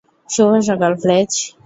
শুভ সকাল, ফ্লেচ।